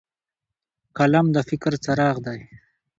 قلم د فکر څراغ دی